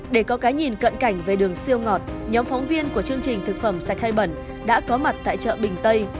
để có cái nhìn cận cảnh về đường siêu ngọt nhóm phóng viên của chương trình thực phẩm sạch hay bẩn đã có mặt tại chợ bình tây